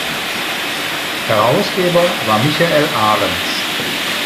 Herausgeber war Michael Arenz.